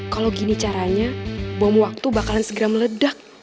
kalau gini caranya bom waktu bakalan segera meledak